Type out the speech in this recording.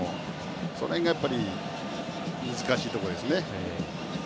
その辺がやっぱり難しいところですね。